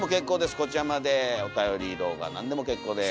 こちらまでおたより動画何でも結構です。